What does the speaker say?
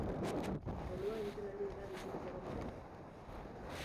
Dolua egiten ari dira bizirik egonda ere.